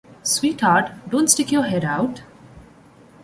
Sweetheart, don’t stick your head out.